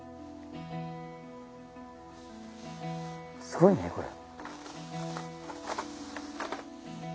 すごいねこれ。